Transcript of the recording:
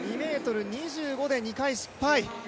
２ｍ２５で２回失敗。